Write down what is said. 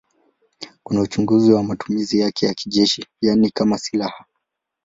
Kuna uchunguzi kwa matumizi yake ya kijeshi, yaani kama silaha.